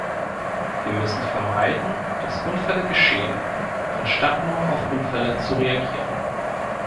Wir müssen vermeiden, dass Unfälle geschehen, anstatt nur auf Unfälle zu reagieren.